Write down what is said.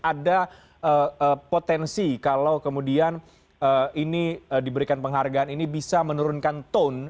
ada potensi kalau kemudian ini diberikan penghargaan ini bisa menurunkan tone